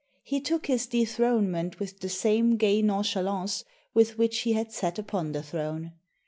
He took his de thronement with the same gay nonchalance with which he had sat upon the throne.